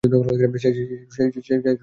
শেষ কখন তাকে দেখেছিলে?